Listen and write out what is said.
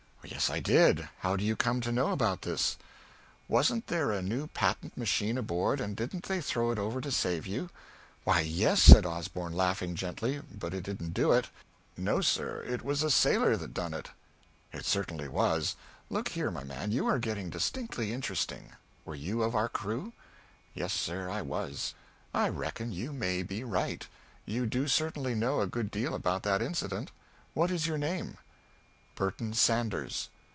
"Yes, I did. How do you come to know about it?" "Wasn't there a new patent machine aboard, and didn't they throw it over to save you?" "Why, yes," said Osborn, laughing gently, "but it didn't do it." "No, sir, it was a sailor that done it." "It certainly was. Look here, my man, you are getting distinctly interesting. Were you of our crew?" "Yes, sir, I was." "I reckon you may be right. You do certainly know a good deal about that incident. What is your name?" "Burton Sanders."